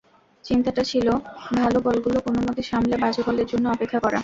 চিন্তাটা ছিল, ভালো বলগুলো কোনোমতে সামলে বাজে বলের জন্য অপেক্ষা করা।